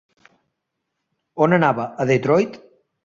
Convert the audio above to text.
On anava, a Detroit?